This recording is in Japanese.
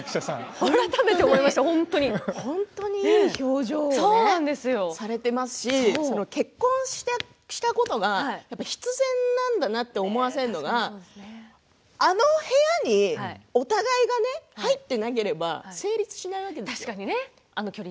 本当にいい表情されていますし結婚したことが必然だなと思わせるのがあの部屋にお互いが入っていなければ成立しないわけですよ。